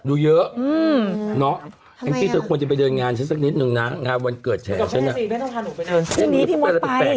ดูเยอะเนาะแกคือเธอควรจะไปเดินงานฉันซักนิดนึงนะงานวันเกิดแฉกฉันนะตรงนี้พี่มนต์ไป